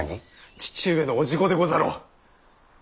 父上の伯父御でござろう。